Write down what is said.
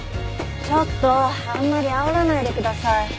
ちょっとあんまりあおらないでください。